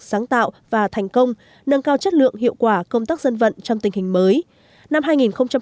sáng tạo và thành công nâng cao chất lượng hiệu quả công tác dân vận trong tình hình mới